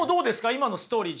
今のストーリー